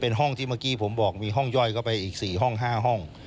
เป็นห้องที่เมื่อกี้ผมบอกมีห้องย่อยเข้าไปอีก๔ห้อง๕ห้อง